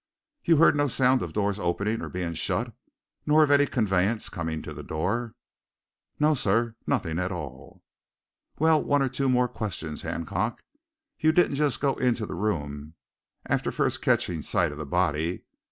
"You heard no sound of doors opening or being shut, nor of any conveyance coming to the door?" "No, sir, nothing at all." "Well, one or two more questions, Hancock. You didn't go into the room after first catching sight of the body?